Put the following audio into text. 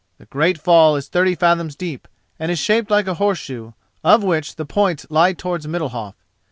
The great fall is thirty fathoms deep, and shaped like a horseshoe, of which the points lie towards Middalhof.